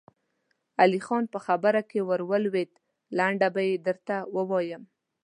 علی خان په خبره کې ور ولوېد: لنډه به يې درته ووايم.